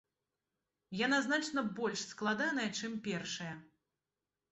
Яна значна больш складаная, чым першая.